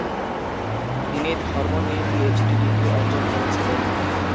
তিনি ধর্ম নিয়ে পিএইচডি ডিগ্রি অর্জন করেছিলেন।